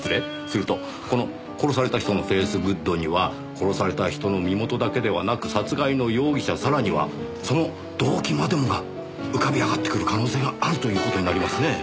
するとこの殺された人のフェイスグッドには殺された人の身元だけではなく殺害の容疑者さらにはその動機までもが浮かび上がってくる可能性があるという事になりますねぇ。